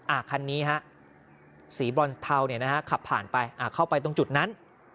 คันนี้ฮะสีบรอนเทาเนี่ยนะฮะขับผ่านไปอ่าเข้าไปตรงจุดนั้น